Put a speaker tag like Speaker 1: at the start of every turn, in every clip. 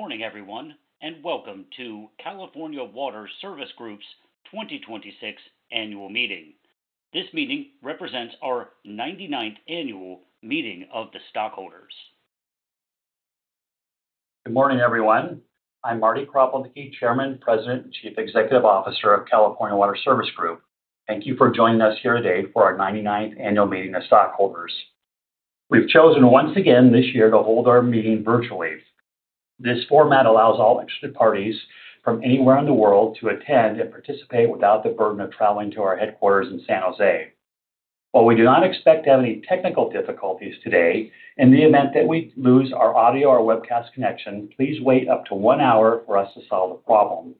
Speaker 1: Good morning, everyone, and welcome to California Water Service Group's 2026 annual meeting. This meeting represents our 99th annual meeting of the stockholders.
Speaker 2: Good morning, everyone. I'm Marty Kropelnicki, Chairman, President, and Chief Executive Officer of California Water Service Group. Thank you for joining us here today for our 99th annual meeting of stockholders. We've chosen once again this year to hold our meeting virtually. This format allows all interested parties from anywhere in the world to attend and participate without the burden of traveling to our headquarters in San Jose. While we do not expect to have any technical difficulties today, in the event that we lose our audio or webcast connection, please wait up to one hour for us to solve the problem.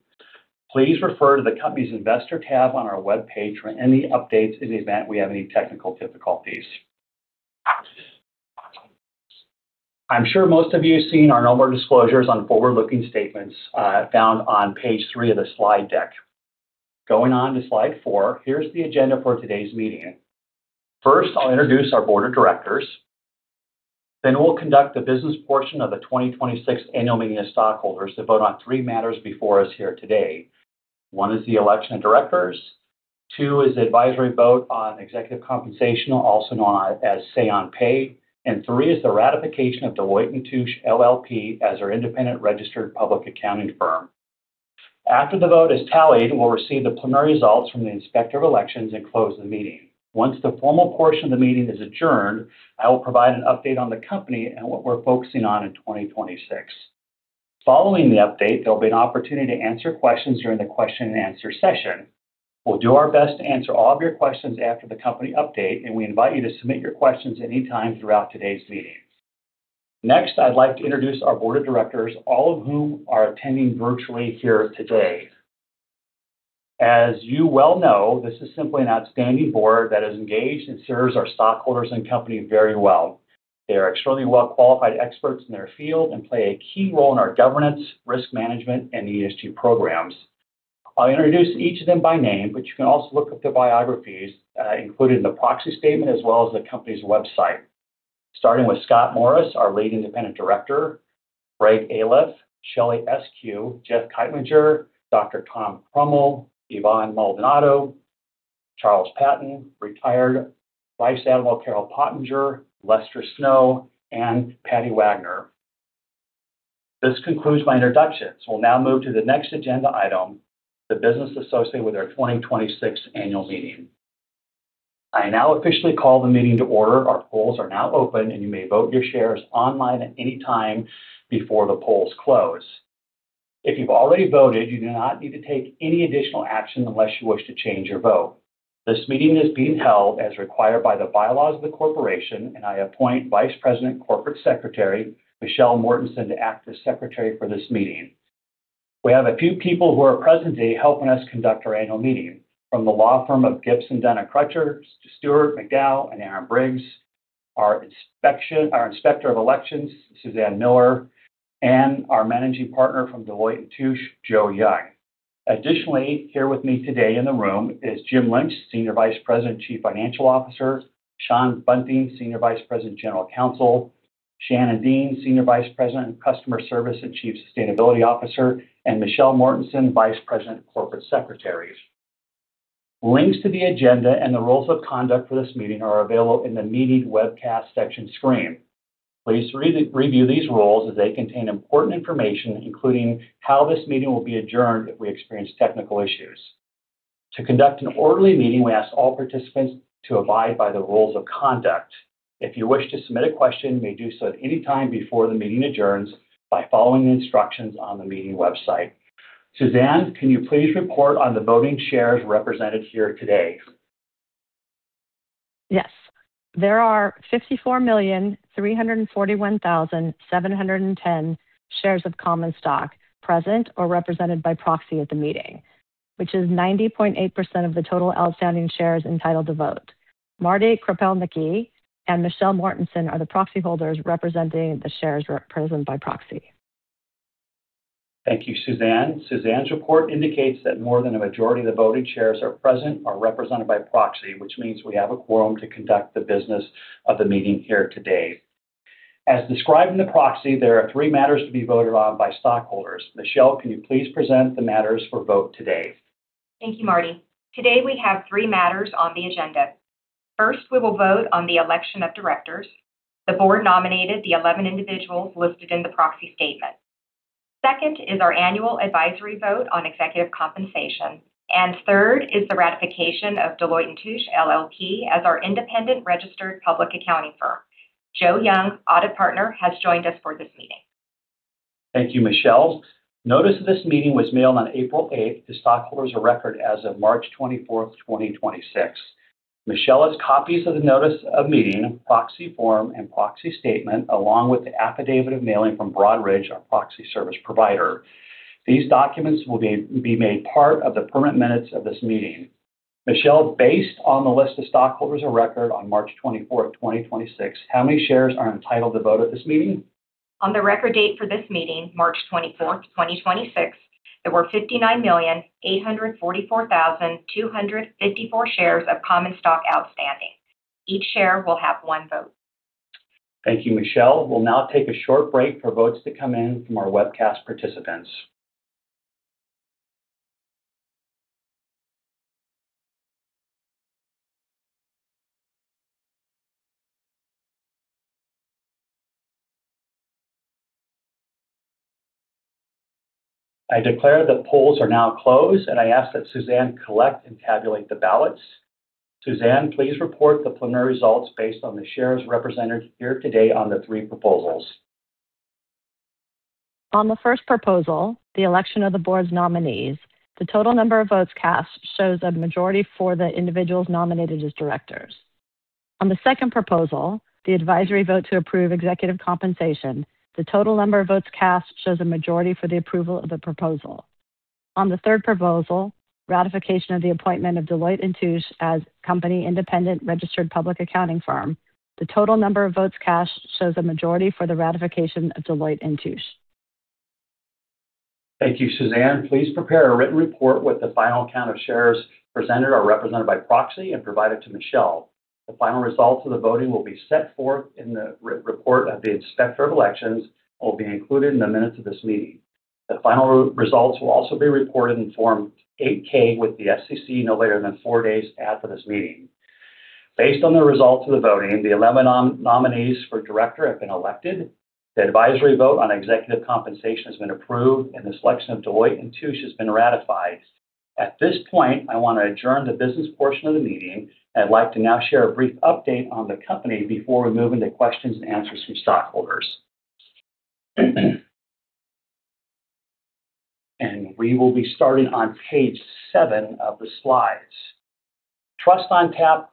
Speaker 2: Please refer to the company's investor tab on our webpage for any updates in the event we have any technical difficulties. I'm sure most of you have seen our number disclosures on forward-looking statements found on page three of the slide deck. Going on to slide four, here's the agenda for today's meeting. First, I'll introduce our Board of Directors. We'll conduct the business portion of the 2026 annual meeting of stockholders to vote on three matters before us here today. One is the election of directors, two is the advisory vote on executive compensation, also known as say on pay, and three is the ratification of Deloitte & Touche LLP as our independent registered public accounting firm. After the vote is tallied, we'll receive the preliminary results from the Inspector of Elections and close the meeting. Once the formal portion of the meeting is adjourned, I will provide an update on the company and what we're focusing on in 2026. Following the update, there'll be an opportunity to answer questions during the question and answer session. We'll do our best to answer all of your questions after the company update, and we invite you to submit your questions any time throughout today's meeting. Next, I'd like to introduce our board of directors, all of whom are attending virtually here today. As you well know, this is simply an outstanding board that is engaged and serves our stockholders and company very well. They are extremely well-qualified experts in their field and play a key role in our governance, risk management, and ESG programs. I'll introduce each of them by name, but you can also look up their biographies included in the proxy statement as well as the company's website. Starting with Scott Morris, our Lead Independent Director, Greg Aliff, Shelly Esque, Jeff Kightlinger, Dr. Tom Krummel, Yvonne Maldonado, Charles Patton, retired, Vice Admiral Carol Pottenger, Lester Snow, and Patty Wagner. This concludes my introductions. We'll now move to the next agenda item, the business associated with our 2026 annual meeting. I now officially call the meeting to order. Our polls are now open, and you may vote your shares online at any time before the polls close. If you've already voted, you do not need to take any additional action unless you wish to change your vote. This meeting is being held as required by the bylaws of the corporation, and I appoint Vice President, Corporate Secretary, Michelle Mortensen, to act as secretary for this meeting. We have a few people who are present today helping us conduct our annual meeting from the law firm of Gibson, Dunn & Crutcher, Stewart McDowell, and Aaron Briggs, our Inspector of Elections, Susan Miller, and our Managing Partner from Deloitte & Touche, Joe Young. Additionally, here with me today in the room is Jim Lynch, Senior Vice President and Chief Financial Officer, Shawn Bunting, Senior Vice President, General Counsel, Shannon Dean, Senior Vice President of Customer Service and Chief Sustainability Officer, and Michelle Mortensen, Vice President of Corporate Secretary. Links to the agenda and the rules of conduct for this meeting are available in the meeting webcast section screen. Please review these rules as they contain important information, including how this meeting will be adjourned if we experience technical issues. To conduct an orderly meeting, we ask all participants to abide by the rules of conduct. If you wish to submit a question, you may do so at any time before the meeting adjourns by following the instructions on the meeting website. Susan, can you please report on the voting shares represented here today?
Speaker 3: Yes. There are 54,341,710 shares of common stock present or represented by proxy at the meeting, which is 90.8% of the total outstanding shares entitled to vote. Marty Kropelnicki and Michelle Mortensen are the proxy holders representing the shares represented by proxy.
Speaker 2: Thank you, Susan. Susan's report indicates that more than a majority of the voting shares are present or represented by proxy, which means we have a quorum to conduct the business of the meeting here today. As described in the proxy, there are three matters to be voted on by stockholders. Michelle, can you please present the matters for vote today?
Speaker 4: Thank you, Marty. Today, we have three matters on the agenda. First, we will vote on the election of directors. The board nominated the 11 individuals listed in the proxy statement. Second is our annual advisory vote on executive compensation. Third is the ratification of Deloitte & Touche LLP as our independent registered public accounting firm. Joe Young, Audit Partner, has joined us for this meeting.
Speaker 2: Thank you, Michelle. Notice of this meeting was mailed on April 8th to stockholders of record as of March 24th, 2026. Michelle has copies of the notice of meeting, proxy form, and proxy statement, along with the affidavit of mailing from Broadridge, our proxy service provider. These documents will be made part of the permanent minutes of this meeting. Michelle, based on the list of stockholders of record on March 24th, 2026, how many shares are entitled to vote at this meeting?
Speaker 4: On the record date for this meeting, March 24th, 2026, there were 59,844,254 shares of common stock outstanding. Each share will have one vote.
Speaker 2: Thank you, Michelle. We'll now take a short break for votes to come in from our webcast participants. I declare the polls are now closed. I ask that Susan collect and tabulate the ballots. Susan, please report the preliminary results based on the shares represented here today on the 3 proposals.
Speaker 3: On the first proposal, the election of the board's nominees, the total number of votes cast shows a majority for the individuals nominated as directors. On the second proposal, the advisory vote to approve executive compensation, the total number of votes cast shows a majority for the approval of the proposal. On the third proposal, ratification of the appointment of Deloitte & Touche as company independent registered public accounting firm, the total number of votes cast shows a majority for the ratification of Deloitte & Touche.
Speaker 2: Thank you, Susan. Please prepare a written report with the final count of shares presented or represented by proxy and provide it to Michelle. The final results of the voting will be set forth in the report of the inspector of elections and will be included in the minutes of this meeting. The final results will also be reported in Form 8-K with the SEC no later than four days after this meeting. Based on the results of the voting, the 11 nominees for director have been elected, the advisory vote on executive compensation has been approved, and the selection of Deloitte & Touche has been ratified. At this point, I want to adjourn the business portion of the meeting. I'd like to now share a brief update on the company before we move into questions and answers from stockholders. We will be starting on page seven of the slides. Trust on Tap.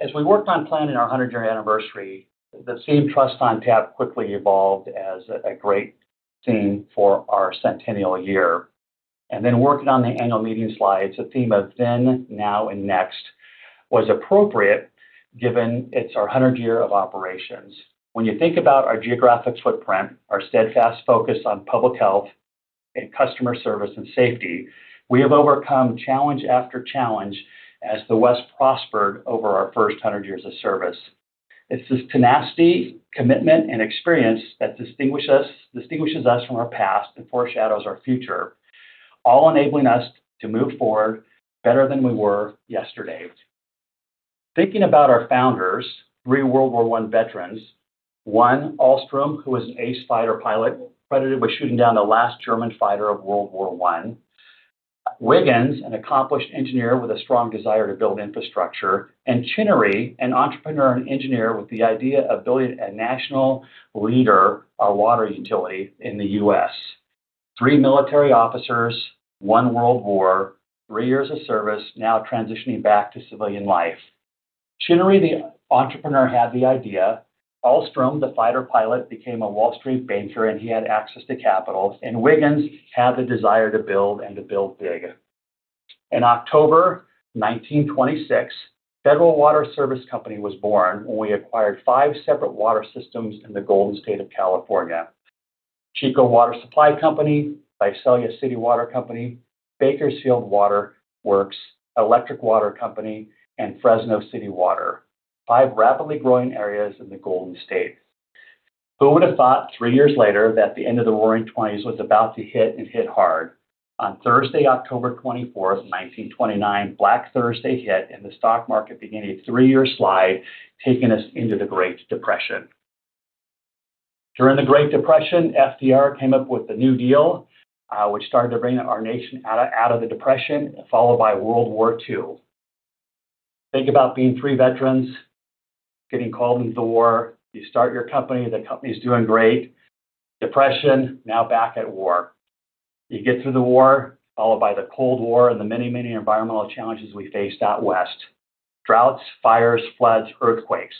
Speaker 2: As we worked on planning our 100-year anniversary, the theme Trust on Tap quickly evolved as a great theme for our centennial year. Working on the annual meeting slides, the theme of then, now, and next was appropriate given it's our 100th year of operations. When you think about our geographic footprint, our steadfast focus on public health, and customer service and safety, we have overcome challenge after challenge as the West prospered over our first 100 years of service. It's this tenacity, commitment, and experience that distinguishes us from our past and foreshadows our future, all enabling us to move forward better than we were yesterday. Thinking about our founders, three World War I veterans. One, Ahlstrom, who was an ace fighter pilot credited with shooting down the last German fighter of World War I. Wiggins, an accomplished engineer with a strong desire to build infrastructure, and Chenery, an entrepreneur and engineer with the idea of building a national leader of water utility in the U.S. Three military officers, one World War, three years of service, now transitioning back to civilian life. Chinnery, the entrepreneur, had the idea. Ahlstrom, the fighter pilot, became a Wall Street banker, and he had access to capital. Wiggins had the desire to build and to build big. In October 1926, Federal Water Service Company was born when we acquired five separate water systems in the Golden State of California. Chico Water Supply Company, Visalia City Water Company, Bakersfield Water Works, Electric Water Company, and Fresno City Water, five rapidly growing areas in the Golden State. Who would have thought three years later that the end of the Roaring '20s was about to hit and hit hard? On Thursday, October 24, 1929, Black Thursday hit, and the stock market began a three-year slide, taking us into the Great Depression. During the Great Depression, FDR came up with the New Deal, which started to bring our nation out of the depression, followed by World War II. Think about being three veterans, getting called into the war. You start your company, the company's doing great. Depression, now back at war. You get through the war, followed by the Cold War and the many, many environmental challenges we faced out West. Droughts, fires, floods, earthquakes.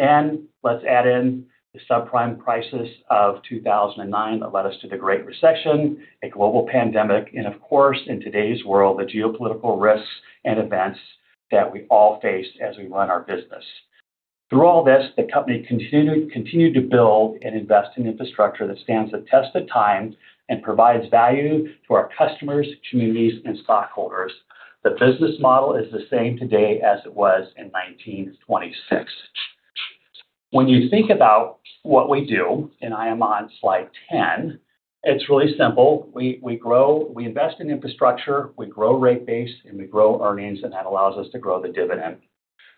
Speaker 2: Let's add in the subprime crisis of 2009 that led us to the Great Recession, a global pandemic, and of course, in today's world, the geopolitical risks and events that we all face as we run our business. Through all this, the company continued to build and invest in infrastructure that stands the test of time and provides value to our customers, communities, and stockholders. The business model is the same today as it was in 1926. When you think about what we do, and I am on slide 10, it's really simple. We invest in infrastructure, we grow rate base, and we grow earnings, and that allows us to grow the dividend.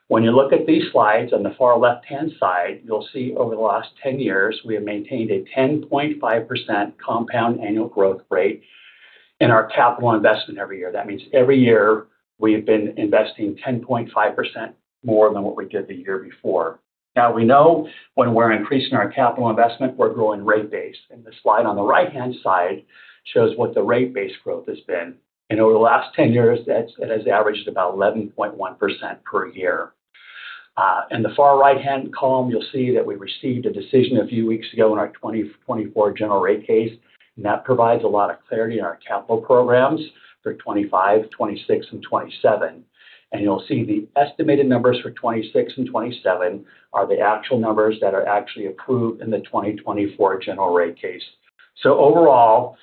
Speaker 2: When you look at these slides on the far left-hand side, you'll see over the last 10 years, we have maintained a 10.5% compound annual growth rate in our capital investment every year. That means every year we have been investing 10.5% more than what we did the year before. We know when we're increasing our capital investment, we're growing rate base. The slide on the right-hand side shows what the rate base growth has been. Over the last 10 years, that has averaged about 11.1% per year. In the far right-hand column, you'll see that we received a decision a few weeks ago in our 2024 general rate case, and that provides a lot of clarity in our capital programs for 2025, 2026, and 2027. You'll see the estimated numbers for 2026 and 2027 are the actual numbers that are actually approved in the 2024 general rate case. So overall,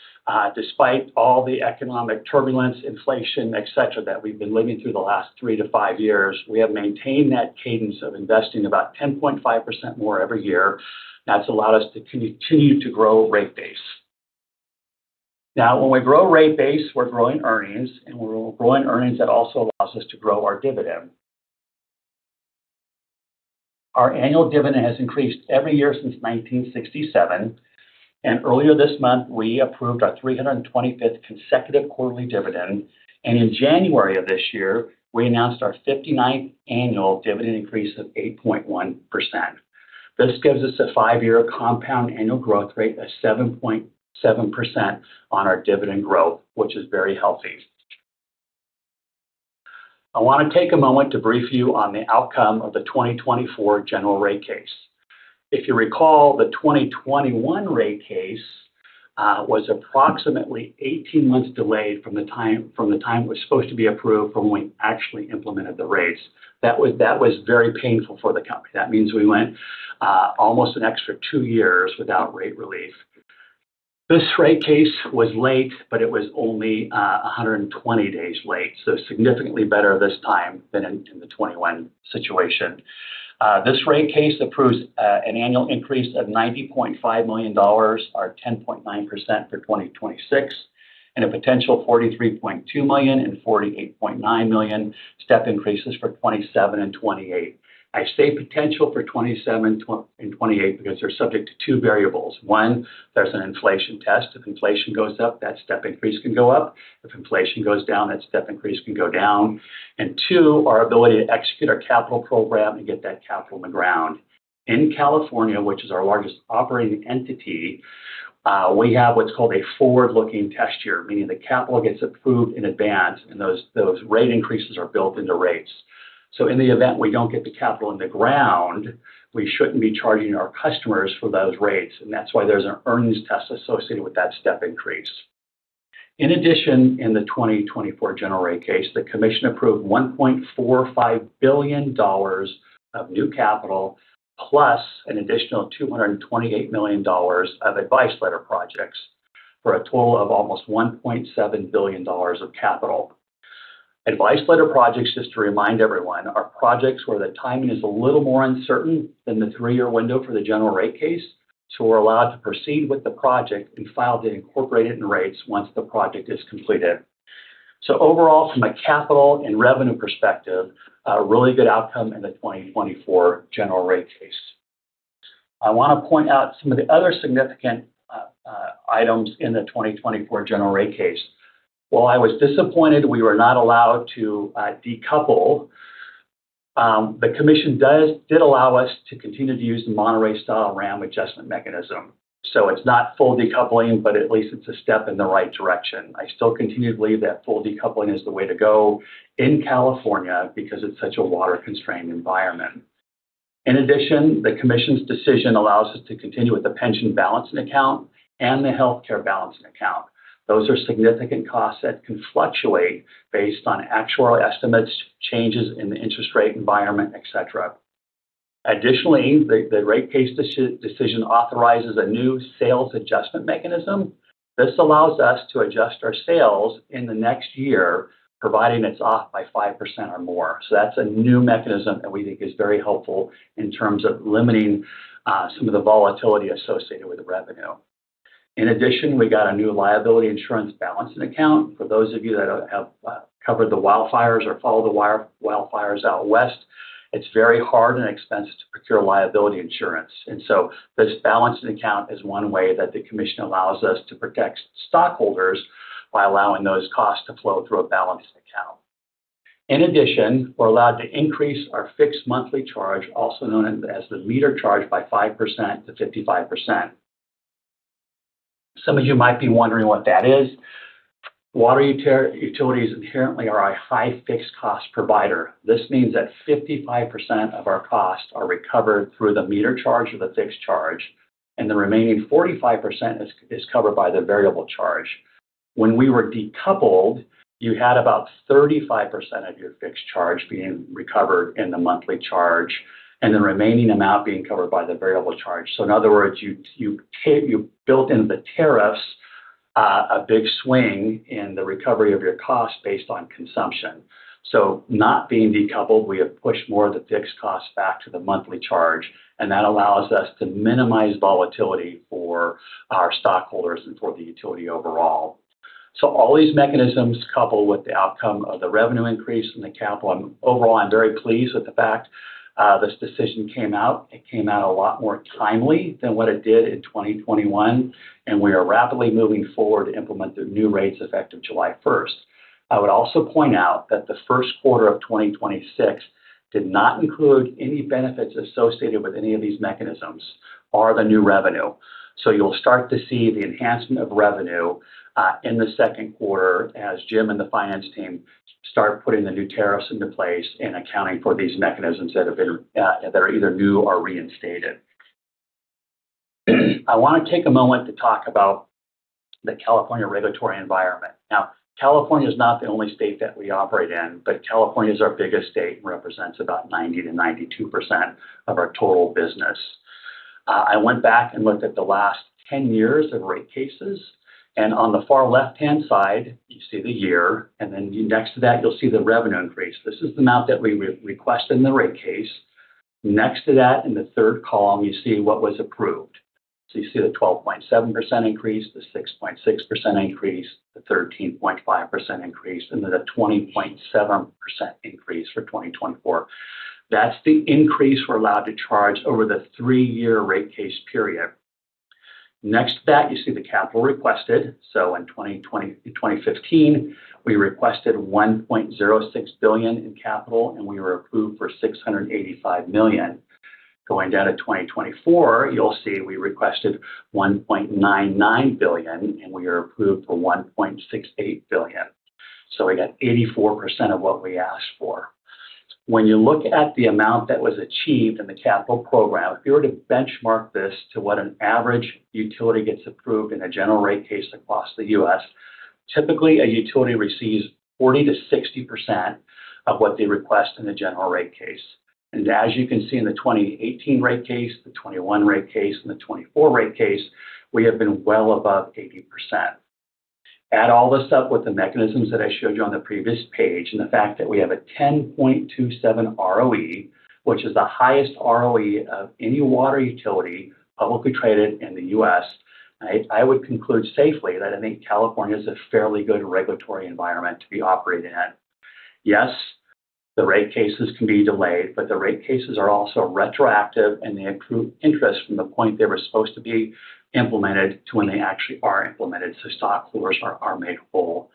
Speaker 2: despite all the economic turbulence, inflation, et cetera, that we've been living through the last three to five years, we have maintained that cadence of investing about 10.5% more every year. That's allowed us to continue to grow rate base. Now, when we grow rate base, we're growing earnings, and when we're growing earnings, that also allows us to grow our dividend. Our annual dividend has increased every year since 1967, and earlier this month, we approved our 325th consecutive quarterly dividend. In January of this year, we announced our 59th annual dividend increase of 8.1%. This gives us a five-year compound annual growth rate of 7.7% on our dividend growth, which is very healthy. I want to take a moment to brief you on the outcome of the 2024 general rate case. If you recall, the 2021 rate case was approximately 18 months delayed from the time it was supposed to be approved from when we actually implemented the rates. That was very painful for the company. That means we went almost an extra two years without rate relief. This rate case was late, but it was only 120 days late, so significantly better this time than in the 2021 situation. This rate case approves an annual increase of $90.5 million or 10.9% for 2026, and a potential $43.2 million and $48.9 million step increases for 2027 and 2028. I say potential for 2027 and 2028 because they're subject to two variables. One, there's an inflation test. If inflation goes up, that step increase can go up. If inflation goes down, that step increase can go down. Two, our ability to execute our capital program and get that capital in the ground. In California, which is our largest operating entity, we have what's called a forward-looking test year, meaning the capital gets approved in advance and those rate increases are built into rates. In the event we don't get the capital in the ground, we shouldn't be charging our customers for those rates, and that's why there's an earnings test associated with that step increase. In addition, in the 2024 general rate case, the commission approved $1.45 billion of new capital, plus an additional $228 million of advice letter projects, for a total of almost $1.7 billion of capital. Advice letter projects, just to remind everyone, are projects where the timing is a little more uncertain than the three-year window for the general rate case. We're allowed to proceed with the project and file to incorporate it in rates once the project is completed. Overall, from a capital and revenue perspective, a really good outcome in the 2024 general rate case. I want to point out some of the other significant items in the 2024 general rate case. While I was disappointed we were not allowed to decouple, the commission did allow us to continue to use the Monterey-style Revenue Adjustment Mechanism. It's not full decoupling, at least it's a step in the right direction. I still continue to believe that full decoupling is the way to go in California because it's such a water-constrained environment. The Commission's decision allows us to continue with the pension balancing account and the healthcare balancing account. Those are significant costs that can fluctuate based on actual estimates, changes in the interest rate environment, et cetera. The rate case decision authorizes a new sales adjustment mechanism. This allows us to adjust our sales in the next year, provided it's off by 5% or more. That's a new mechanism that we think is very helpful in terms of limiting some of the volatility associated with revenue. We got a new liability insurance balancing account. For those of you that have covered the wildfires or followed the wildfires out west, it's very hard and expensive to procure liability insurance. This balancing account is one way that the Commission allows us to protect stockholders by allowing those costs to flow through a balancing account. We're allowed to increase our fixed monthly charge, also known as the meter charge, by 5% to 55%. Some of you might be wondering what that is. Water utilities inherently are a high fixed cost provider. This means that 55% of our costs are recovered through the meter charge or the fixed charge, and the remaining 45% is covered by the variable charge. When we were decoupled, you had about 35% of your fixed charge being recovered in the monthly charge, and the remaining amount being covered by the variable charge. In other words, you built into the tariffs a big swing in the recovery of your cost based on consumption. Not being decoupled, we have pushed more of the fixed cost back to the monthly charge, and that allows us to minimize volatility for our stockholders and for the utility overall. All these mechanisms couple with the outcome of the revenue increase and the capital, and overall, I'm very pleased with the fact this decision came out. It came out a lot more timely than what it did in 2021, and we are rapidly moving forward to implement the new rates effective July 1st. I would also point out that the first quarter of 2026 did not include any benefits associated with any of these mechanisms or the new revenue. You'll start to see the enhancement of revenue in the second quarter as Jim and the finance team start putting the new tariffs into place and accounting for these mechanisms that are either new or reinstated. I want to take a moment to talk about the California regulatory environment. California is not the only state that we operate in, but California is our biggest state and represents about 90%-92% of our total business. I went back and looked at the last 10 years of rate cases, and on the far left-hand side, you see the year, and then next to that, you'll see the revenue increase. This is the amount that we request in the rate case. Next to that, in the third column, you see what was approved. You see the 12.7% increase, the 6.6% increase, the 13.5% increase, and then a 20.7% increase for 2024. That's the increase we're allowed to charge over the three-year rate case period. Next to that, you see the capital requested. In 2015, we requested $1.06 billion in capital, and we were approved for $685 million. Going down to 2024, you'll see we requested $1.99 billion, and we are approved for $1.68 billion. We got 84% of what we asked for. When you look at the amount that was achieved in the capital program, if you were to benchmark this to what an average utility gets approved in a general rate case across the U.S., typically, a utility receives 40%-60% of what they request in the general rate case. As you can see in the 2018 rate case, the 2021 rate case, and the 2024 rate case, we have been well above 80%. Add all this up with the mechanisms that I showed you on the previous page and the fact that we have a 10.27 ROE, which is the highest ROE of any water utility publicly traded in the U.S., I would conclude safely that I think California is a fairly good regulatory environment to be operating in. Yes, the rate cases can be delayed, but the rate cases are also retroactive, and they accrue interest from the point they were supposed to be implemented to when they actually are implemented, so stockholders are made whole.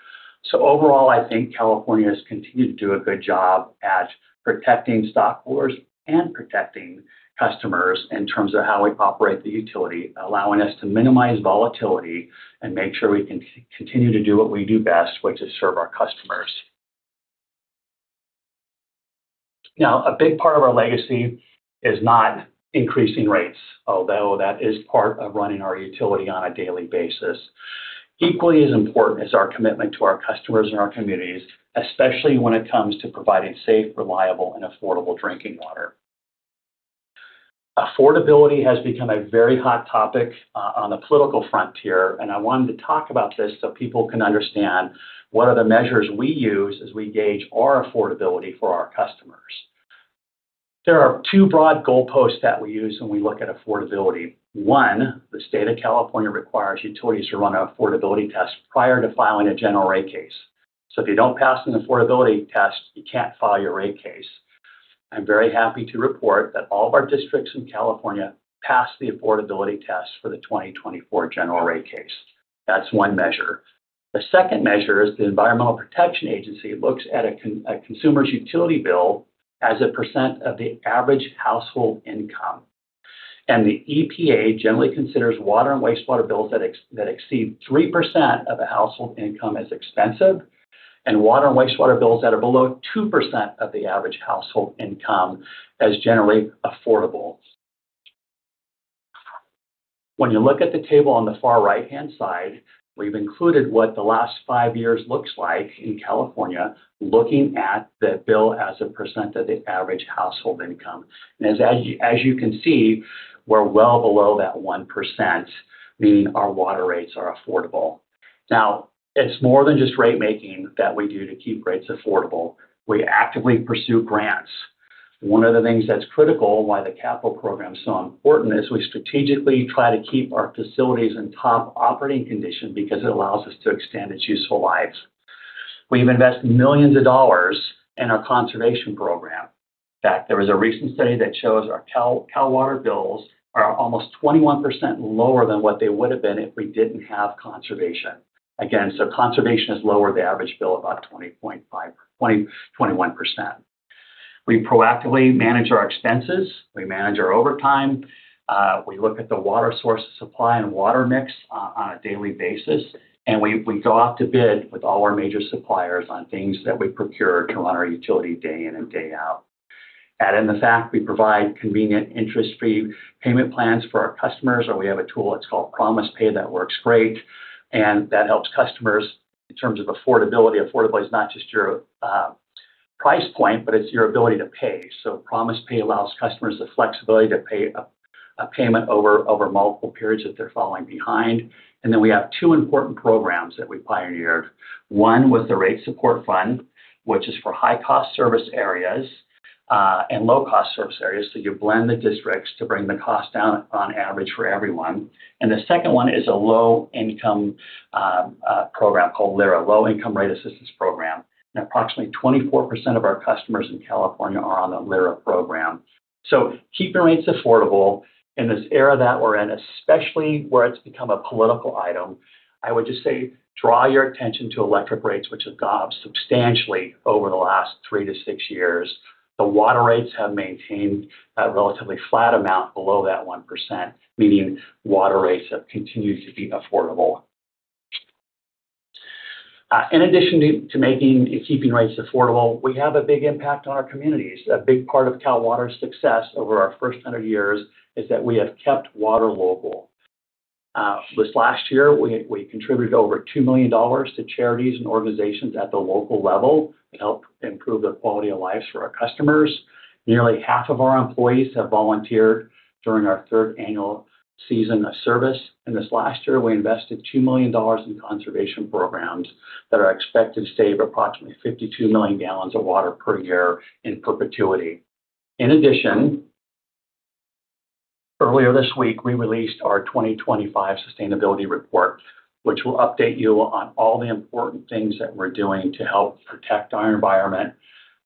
Speaker 2: Overall, I think California has continued to do a good job at protecting stockholders and protecting customers in terms of how we operate the utility, allowing us to minimize volatility and make sure we can continue to do what we do best, which is serve our customers. A big part of our legacy is not increasing rates, although that is part of running our utility on a daily basis. Equally as important is our commitment to our customers and our communities, especially when it comes to providing safe, reliable, and affordable drinking water. Affordability has become a very hot topic on the political frontier, and I wanted to talk about this so people can understand what are the measures we use as we gauge our affordability for our customers. There are two broad goalposts that we use when we look at affordability. One, the State of California requires utilities to run an affordability test prior to filing a general rate case. If you don't pass an affordability test, you can't file your rate case. I'm very happy to report that all of our districts in California passed the affordability test for the 2024 general rate case. That's one measure. The second measure is the Environmental Protection Agency looks at a consumer's utility bill as a percent of the average household income. The EPA generally considers water and wastewater bills that exceed 3% of a household income as expensive, and water and wastewater bills that are below 2% of the average household income as generally affordable. When you look at the table on the far right-hand side, we've included what the last five years looks like in California, looking at the bill as a percent of the average household income. As you can see, we're well below that 1%, meaning our water rates are affordable. Now, it's more than just rate-making that we do to keep rates affordable. We actively pursue grants. One of the things that's critical, why the capital program is so important is we strategically try to keep our facilities in top operating condition because it allows us to extend its useful lives. We've invested millions of dollars in our conservation program. In fact, there was a recent study that shows our Cal Water bills are almost 21% lower than what they would have been if we didn't have conservation. Conservation has lowered the average bill about 20.5%-21%. We proactively manage our expenses. We manage our overtime. We look at the water source supply and water mix on a daily basis, and we go out to bid with all our major suppliers on things that we procure to run our utility day in and day out. At MFAC, we provide convenient interest-free payment plans for our customers, or we have a tool, it's called PromisePay, that works great, and that helps customers in terms of affordability. Affordable is not just your price point, but it's your ability to pay. PromisePay allows customers the flexibility to pay a payment over multiple periods if they're falling behind. We have two important programs that we pioneered. One was the Rate Support Fund, which is for high-cost service areas and low-cost service areas, you blend the districts to bring the cost down on average for everyone. The second one is a low-income program called LIRA, Low Income Rate Assistance program. Approximately 24% of our customers in California are on the LIRA program. Keeping rates affordable in this era that we're in, especially where it's become a political item, I would just say draw your attention to electric rates, which have gone up substantially over the last three to six years. The water rates have maintained a relatively flat amount below that 1%, meaning water rates have continued to be affordable. In addition to making and keeping rates affordable, we have a big impact on our communities. A big part of Cal Water's success over our first 100 years is that we have kept water local. This last year, we contributed over $2 million to charities and organizations at the local level to help improve the quality of lives for our customers. Nearly half of our employees have volunteered during our third annual season of service. In this last year, we invested $2 million in conservation programs that are expected to save approximately 52 million gal of water per year in perpetuity. In addition, earlier this week, we released our 2025 sustainability report, which will update you on all the important things that we're doing to help protect our environment,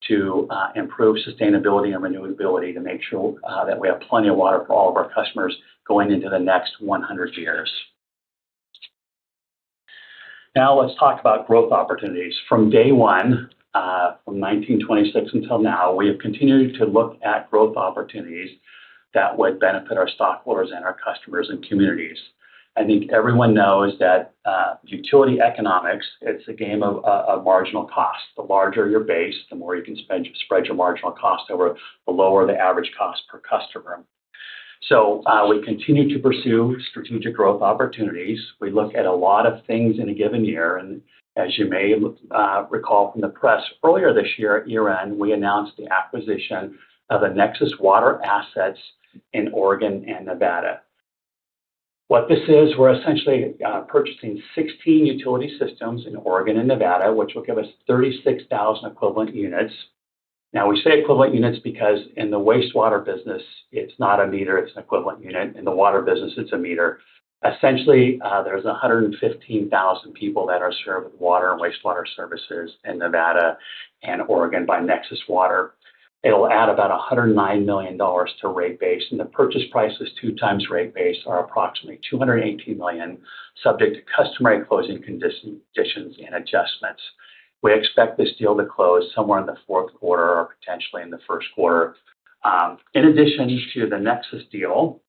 Speaker 2: to improve sustainability and renewability, to make sure that we have plenty of water for all of our customers going into the next 100 years. Now let's talk about growth opportunities. From day one, from 1926 until now, we have continued to look at growth opportunities that would benefit our stockholders and our customers and communities. I think everyone knows that utility economics, it's a game of marginal cost. The larger your base, the more you can spread your marginal cost over, the lower the average cost per customer. We continue to pursue strategic growth opportunities. We look at a lot of things in a given year, and as you may recall from the press earlier this year at year-end, we announced the acquisition of the Nexus Water assets in Oregon and Nevada. What this is, we're essentially purchasing 16 utility systems in Oregon and Nevada, which will give us 36,000 equivalent units. We say equivalent units because in the wastewater business, it's not a meter, it's an equivalent unit. In the water business, it's a meter. There's 115,000 people that are served with water and wastewater services in Nevada and Oregon by Nexus Water. It'll add about $109 million to rate base, and the purchase price is two times rate base or approximately $218 million subject to customary closing conditions and adjustments. We expect this deal to close somewhere in the fourth quarter or potentially in the first quarter. In addition to the Nexus deal,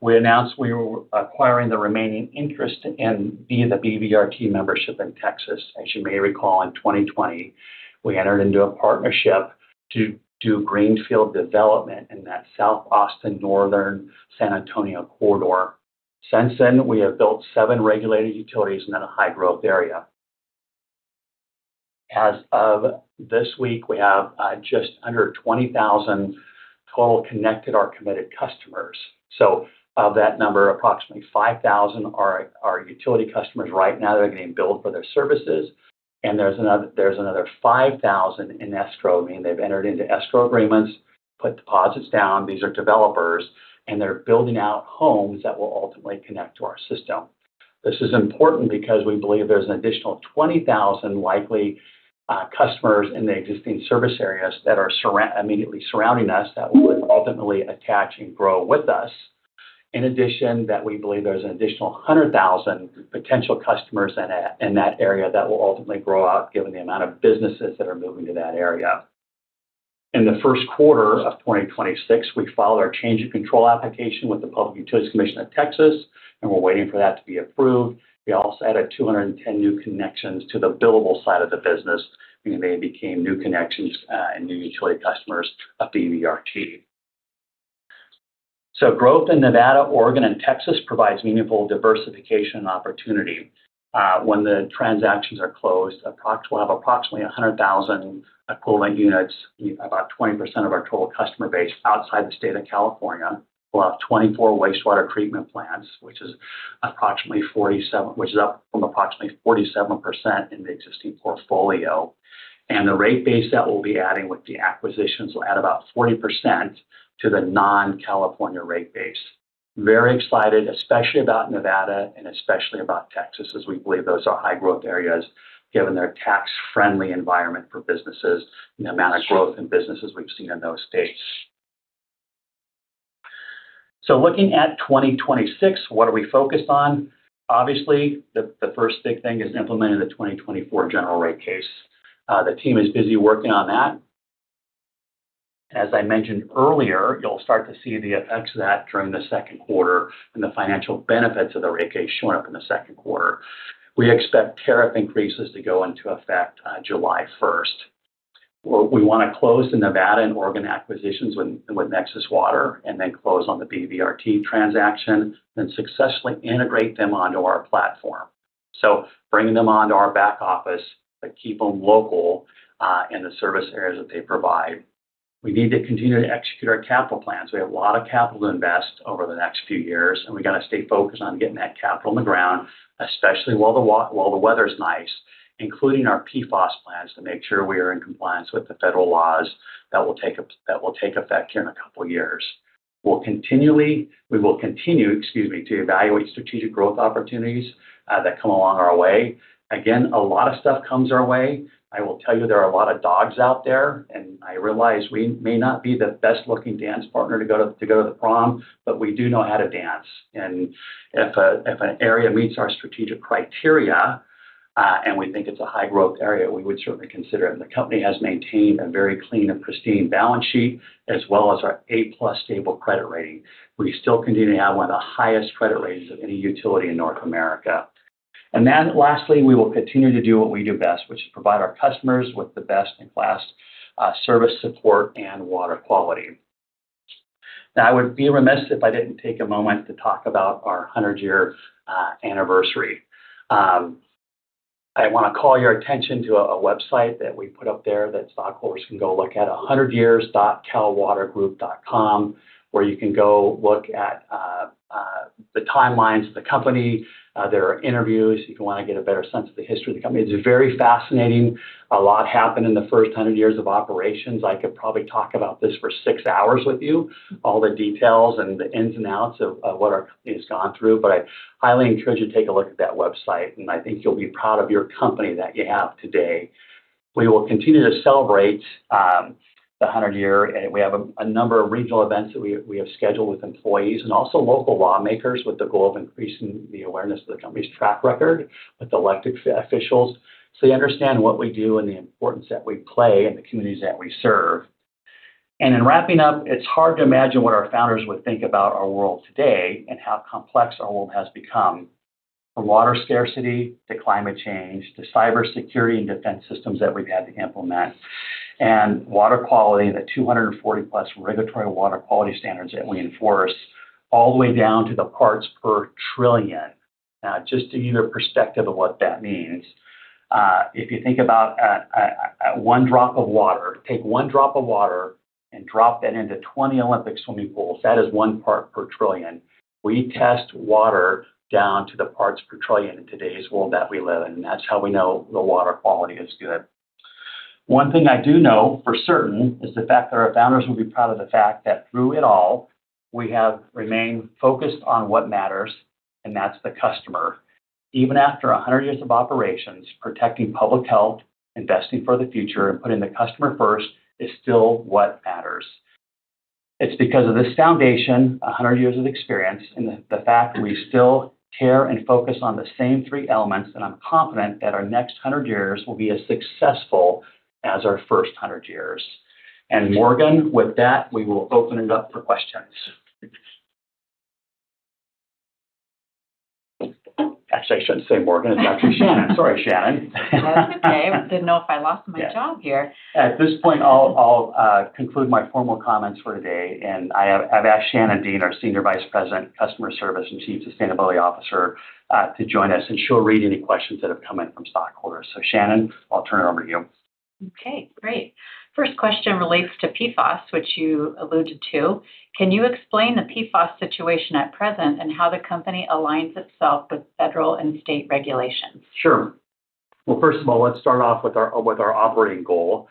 Speaker 2: we announced we were acquiring the remaining interest in the BVRT membership in Texas. As you may recall, in 2020, we entered into a partnership to do greenfield development in that South Austin, Northern San Antonio corridor. Since then, we have built seven regulated utilities in a high-growth area. As of this week, we have just under 20,000 total connected or committed customers. Of that number, approximately 5,000 are utility customers right now that are getting billed for their services, and there's another 5,000 in escrow, meaning they've entered into escrow agreements, put deposits down. These are developers, and they're building out homes that will ultimately connect to our system. This is important because we believe there's an additional 20,000 likely customers in the existing service areas that are immediately surrounding us that would ultimately attach and grow with us. In addition, that we believe there's an additional 100,000 potential customers in that area that will ultimately grow out given the amount of businesses that are moving to that area. In the first quarter of 2026, we filed our change in control application with the Public Utilities Commission of Texas, and we're waiting for that to be approved. We also added 210 new connections to the billable side of the business, meaning they became new connections and new utility customers of BVRT. Growth in Nevada, Oregon, and Texas provides meaningful diversification opportunity. When the transactions are closed, we'll have approximately 100,000 equivalent units, about 20% of our total customer base outside the state of California. We'll have 24 wastewater treatment plants, which is up from approximately 47% in the existing portfolio. The rate base that we'll be adding with the acquisitions will add about 40% to the non-California rate base. Very excited, especially about Nevada and especially about Texas, as we believe those are high-growth areas given their tax-friendly environment for businesses and the amount of growth in businesses we've seen in those states. Looking at 2026, what are we focused on? Obviously, the first big thing is implementing the 2024 general rate case. The team is busy working on that. As I mentioned earlier, you'll start to see the effects of that during the second quarter and the financial benefits of the rate case showing up in the second quarter. We expect tariff increases to go into effect July 1st. We want to close the Nevada and Oregon acquisitions with Nexus Water, close on the BVRT transaction, successfully integrate them onto our platform. Bringing them onto our back office, but keep them local in the service areas that they provide. We need to continue to execute our capital plans. We have a lot of capital to invest over the next few years, we got to stay focused on getting that capital in the ground, especially while the weather's nice, including our PFOS plans to make sure we are in compliance with the Federal laws that will take effect here in a couple of years. We will continue to evaluate strategic growth opportunities that come along our way. Again, a lot of stuff comes our way. I will tell you there are a lot of dogs out there, and I realize we may not be the best-looking dance partner to go to the prom, but we do know how to dance. If an area meets our strategic criteria, and we think it's a high-growth area, we would certainly consider it and the company has maintained a very clean and pristine balance sheet as well as our A+ stable credit rating. We still continue to have one of the highest credit ratings of any utility in North America. Then lastly, we will continue to do what we do best, which is provide our customers with the best-in-class service support and water quality. Now, I would be remiss if I didn't take a moment to talk about our 100-year anniversary. I want to call your attention to a website that we put up there that stockholders can go look at, 100years.calwatergroup.com, where you can go look at the timelines of the company. There are interviews, if you want to get a better sense of the history of the company. It's very fascinating. A lot happened in the first 100 years of operations. I could probably talk about this for six hours with you, all the details and the ins and outs of what our company has gone through. I highly encourage you to take a look at that website, and I think you'll be proud of your company that you have today. We will continue to celebrate the 100 year, we have a number of regional events that we have scheduled with employees and also local lawmakers with the goal of increasing the awareness of the company's track record with elected officials so they understand what we do and the importance that we play in the communities that we serve. In wrapping up, it's hard to imagine what our founders would think about our world today and how complex our world has become. From water scarcity to climate change to cybersecurity and defense systems that we've had to implement and water quality and the 240+ regulatory water quality standards that we enforce, all the way down to the parts per trillion. Now, just to give you a perspective of what that means, if you think about one drop of water, take one drop of water and drop that into 20 Olympic swimming pools, that is one part per trillion. We test water down to the parts per trillion in today's world that we live in. That's how we know the water quality is good. One thing I do know for certain is the fact that our founders would be proud of the fact that through it all, we have remained focused on what matters, and that's the customer. Even after 100 years of operations, protecting public health, investing for the future, and putting the customer first is still what matters. It's because of this foundation, 100 years of experience, and the fact that we still care and focus on the same three elements that I'm confident that our next 100 years will be as successful as our first 100 years. Morgan, with that, we will open it up for questions. Actually, I shouldn't say Morgan. It's actually Shannon. Sorry, Shannon.
Speaker 5: No, that's okay. Didn't know if I lost my job here.
Speaker 2: At this point, I'll conclude my formal comments for today. I've asked Shannon Dean, our Senior Vice President, Customer Service and Chief Sustainability Officer, to join us, and she'll read any questions that have come in from stockholders. Shannon, I'll turn it over to you.
Speaker 5: Okay, great. First question relates to PFAS, which you alluded to. Can you explain the PFAS situation at present and how the company aligns itself with federal and state regulations?
Speaker 2: Sure. Well, first of all, let's start off with our operating goal,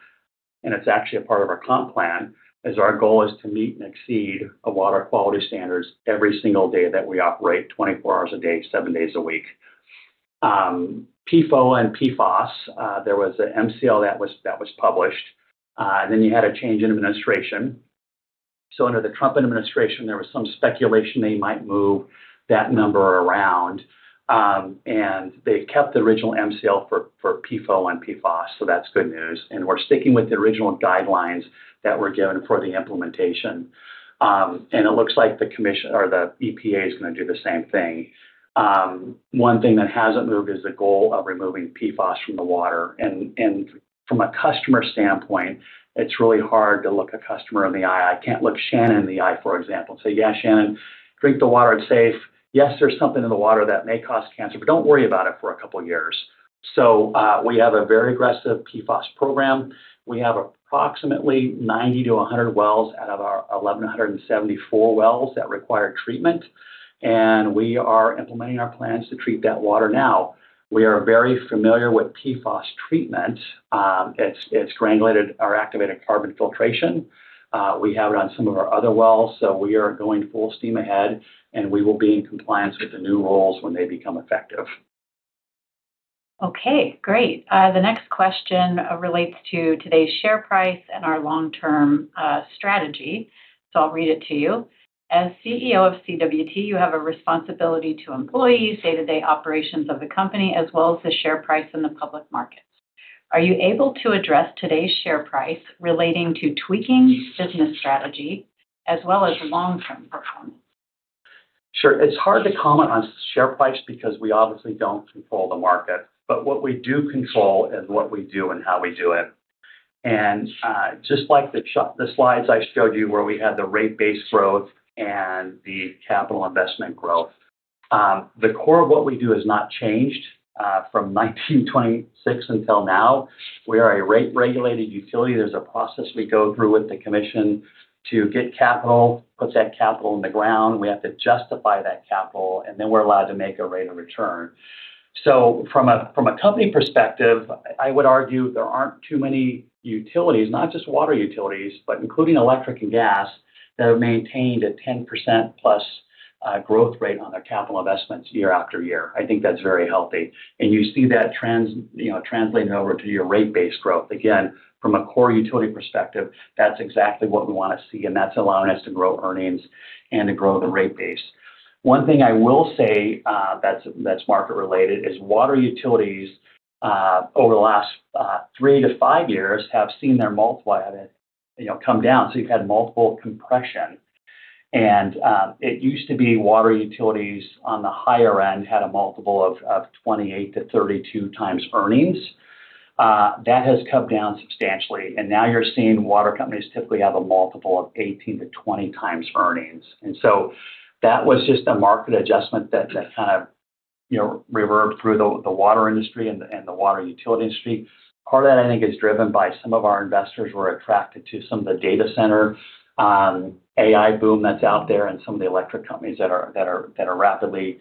Speaker 2: and it's actually a part of our comp plan, is our goal is to meet and exceed our water quality standards every single day that we operate, 24 hours a day, seven days a week. PFOA and PFAS, there was an MCL that was published, and then you had a change in administration. Under the Trump administration, there was some speculation they might move that number around, and they kept the original MCL for PFOA and PFAS, so that's good news. We're sticking with the original guidelines that were given for the implementation. It looks like the commission or the EPA is going to do the same thing. One thing that hasn't moved is the goal of removing PFAS from the water. From a customer standpoint, it's really hard to look a customer in the eye. I can't look Shannon in the eye, for example, and say, "Yeah, Shannon, drink the water, it's safe. Yes, there's something in the water that may cause cancer, but don't worry about it for a couple of years." We have a very aggressive PFAS program. We have approximately 90 to 100 wells out of our 1,174 wells that require treatment, and we are implementing our plans to treat that water now. We are very familiar with PFAS treatment. It's granulated or activated carbon filtration. We have it on some of our other wells, so we are going full steam ahead, and we will be in compliance with the new rules when they become effective.
Speaker 5: Okay, great. The next question relates to today's share price and our long-term strategy. I'll read it to you. As CEO of CWT, you have a responsibility to employees, day-to-day operations of the company, as well as the share price in the public markets. Are you able to address today's share price relating to tweaking business strategy as well as long-term performance?
Speaker 2: Sure. It's hard to comment on share price because we obviously don't control the market. What we do control is what we do and how we do it. Just like the slides I showed you where we had the rate base growth and the capital investment growth, the core of what we do has not changed from 1926 until now. We are a rate-regulated utility. There's a process we go through with the commission to get capital, put that capital in the ground. We have to justify that capital, then we're allowed to make a rate of return. From a company perspective, I would argue there aren't too many utilities, not just water utilities, but including electric and gas, that have maintained a 10%+growth rate on their capital investments year after year. I think that's very healthy. You see that translating over to your rate base growth. From a core utility perspective, that's exactly what we want to see, and that's allowing us to grow earnings and to grow the rate base. One thing I will say that's market related is water utilities, over the last three to five years, have seen their multiplier come down. You've had multiple compression. It used to be water utilities on the higher end had a multiple of 28x to 32x earnings. That has come down substantially, and now you're seeing water companies typically have a multiple of 18x to 20x earnings. That was just a market adjustment that kind of reverbed through the water industry and the water utility industry. Part of that, I think, is driven by some of our investors who are attracted to some of the data center AI boom that's out there and some of the electric companies that are rapidly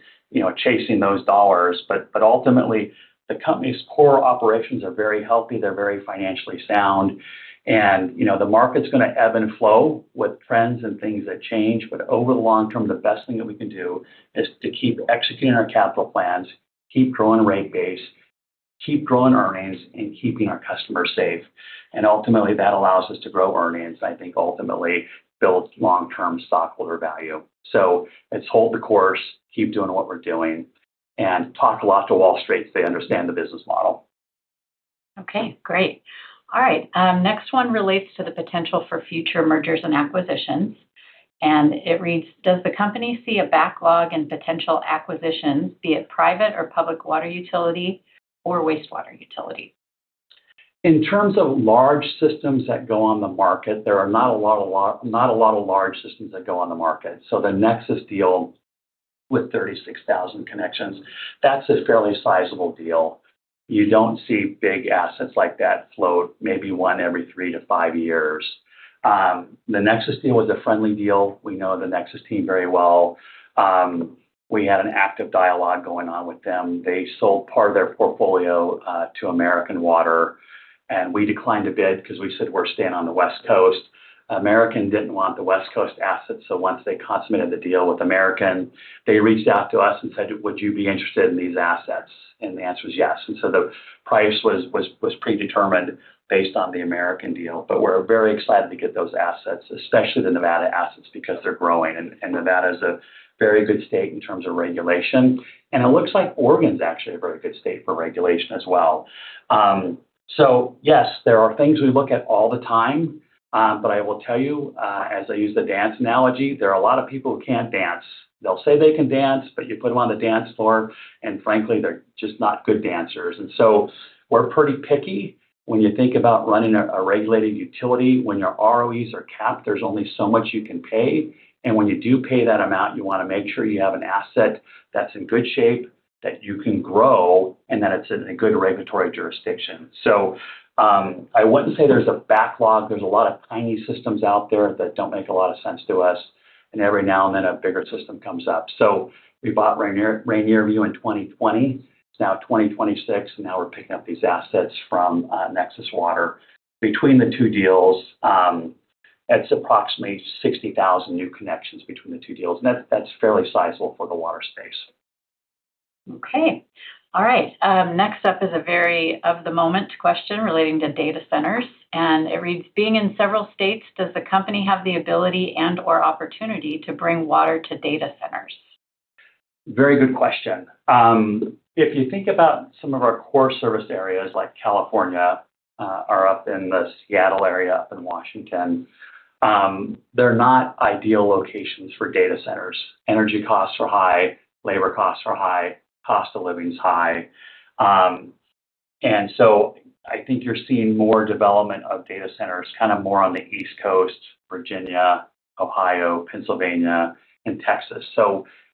Speaker 2: chasing those dollars. Ultimately, the company's core operations are very healthy. They're very financially sound. The market's going to ebb and flow with trends and things that change. Over the long term, the best thing that we can do is to keep executing our capital plans, keep growing rate base, keep growing earnings, and keeping our customers safe. Ultimately, that allows us to grow earnings, and I think ultimately builds long-term stockholder value. Let's hold the course, keep doing what we're doing, and talk a lot to Wall Street so they understand the business model.
Speaker 5: Okay, great. All right. Next one relates to the potential for future mergers and acquisitions. It reads, "Does the company see a backlog in potential acquisitions, be it private or public water utility or wastewater utility?
Speaker 2: In terms of large systems that go on the market, there are not a lot of large systems that go on the market. The Nexus deal with 36,000 connections, that's a fairly sizable deal. You don't see big assets like that float, maybe one every three to five years. The Nexus deal was a friendly deal. We know the Nexus team very well. We had an active dialogue going on with them. They sold part of their portfolio to American Water, and we declined a bid because we said we're staying on the West Coast. American didn't want the West Coast assets, so once they consummated the deal with American, they reached out to us and said, "Would you be interested in these assets?" The answer is yes. The price was predetermined based on the American deal. We're very excited to get those assets, especially the Nevada assets, because they're growing, and Nevada's a very good state in terms of regulation. It looks like Oregon's actually a very good state for regulation as well. Yes, there are things we look at all the time. I will tell you, as I use the dance analogy, there are a lot of people who can't dance. They'll say they can dance, but you put them on the dance floor, and frankly, they're just not good dancers. We're pretty picky when you think about running a regulated utility, when your ROEs are capped, there's only so much you can pay. When you do pay that amount, you want to make sure you have an asset that's in good shape, that you can grow, and that it's in a good regulatory jurisdiction. I wouldn't say there's a backlog. There's a lot of tiny systems out there that don't make a lot of sense to us, and every now and then, a bigger system comes up. We bought Rainier View in 2020. It's now 2026, and now we're picking up these assets from Nexus Water. Between the two deals, that's approximately 60,000 new connections between the two deals, and that's fairly sizable for the water space.
Speaker 5: Okay. All right. Next up is a very of-the-moment question relating to data centers. It reads, "Being in several states, does the company have the ability and/or opportunity to bring water to data centers?
Speaker 2: Very good question. If you think about some of our core service areas, like California or up in the Seattle area, up in Washington, they're not ideal locations for data centers. Energy costs are high, labor costs are high, cost of living's high. I think you're seeing more development of data centers, more on the East Coast, Virginia, Ohio, Pennsylvania, and Texas.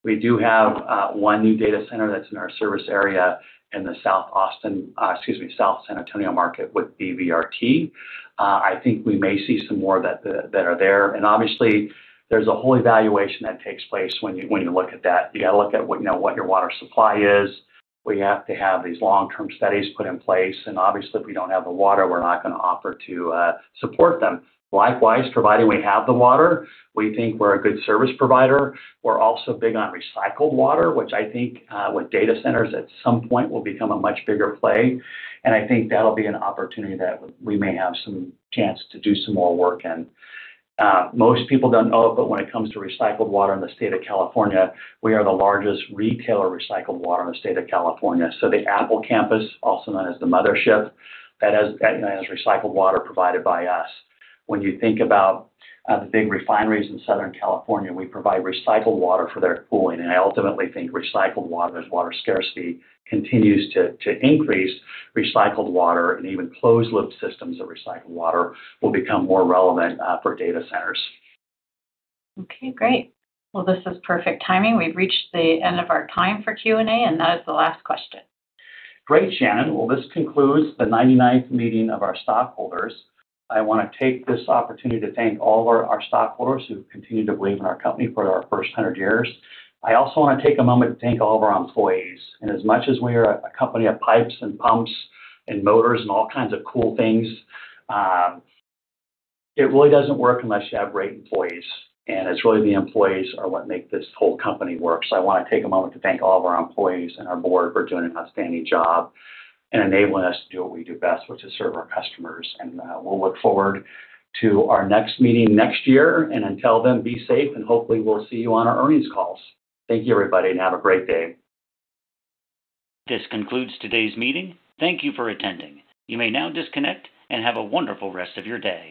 Speaker 2: We do have one new data center that's in our service area in the South San Antonio market with BVRT. I think we may see some more that are there. Obviously, there's a whole evaluation that takes place when you look at that. You got to look at what your water supply is. We have to have these long-term studies put in place. Obviously, if we don't have the water, we're not going to offer to support them. Likewise, providing we have the water, we think we're a good service provider. We're also big on recycled water, which I think with data centers at some point will become a much bigger play. I think that'll be an opportunity that we may have some chance to do some more work in. Most people don't know, but when it comes to recycled water in the state of California, we are the largest retailer of recycled water in the state of California. The Apple campus, also known as the Mothership, that has recycled water provided by us. When you think about the big refineries in Southern California, we provide recycled water for their cooling. I ultimately think recycled water, as water scarcity continues to increase, recycled water and even closed-loop systems of recycled water will become more relevant for data centers.
Speaker 5: Okay, great. Well, this is perfect timing. We've reached the end of our time for Q&A, and that is the last question.
Speaker 2: Great, Shannon. Well, this concludes the 99th meeting of our stockholders. I want to take this opportunity to thank all of our stockholders who've continued to believe in our company for our first 100 years. I also want to take a moment to thank all of our employees. As much as we are a company of pipes and pumps and motors and all kinds of cool things, it really doesn't work unless you have great employees, and it's really the employees are what make this whole company work. I want to take a moment to thank all of our employees and our board for doing an outstanding job and enabling us to do what we do best, which is serve our customers. We'll look forward to our next meeting next year. Until then, be safe, and hopefully, we'll see you on our earnings calls. Thank you, everybody, and have a great day.
Speaker 1: This concludes today's meeting. Thank you for attending. You may now disconnect and have a wonderful rest of your day.